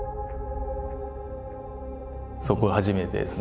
そこ初めてですね。